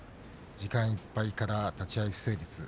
時間いっぱいから立ち合い不成立です。。